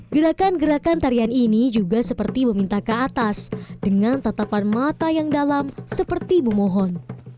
gerakan gerakan tarian ini juga seperti meminta ke atas dengan tatapan mata yang dalam seperti bumohon